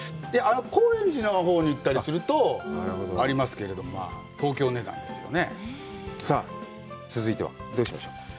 高円寺のほうに行ったりするとありますけれども、まあ、東京には。さあ続いてはどうしましょう？